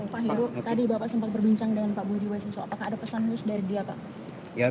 pak heru tadi bapak sempat berbincang dengan pak budi wasiso apakah ada pesan khusus dari dia pak